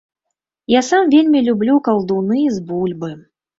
Я сам вельмі люблю калдуны з бульбы.